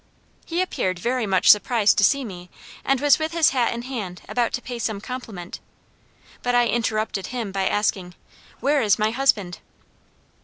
He appeared very much surprised to see me; and was with his hat in hand about to pay some compliment; but I interrupted him by asking 'Where is my husband?'